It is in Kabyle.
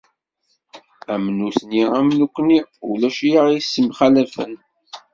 Am nutni am nekkini ulac i aɣ-isemxallfen.